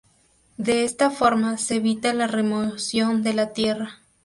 De esta forma se evita la remoción de la tierra.